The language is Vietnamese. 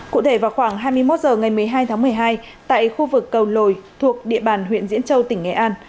cụ thể vào khoảng hai mươi một h ngày một mươi hai tháng một mươi hai tại khu vực cầu lồi thuộc địa bàn huyện diễn châu tỉnh nghệ an